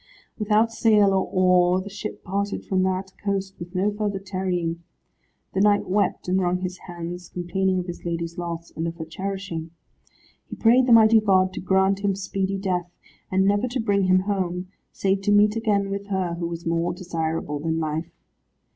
Without sail or oar the ship parted from that coast, with no further tarrying. The knight wept and wrung his hands, complaining of his lady's loss, and of her cherishing. He prayed the mighty God to grant him speedy death, and never to bring him home, save to meet again with her who was more desirable than life.